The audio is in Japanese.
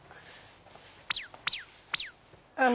あの。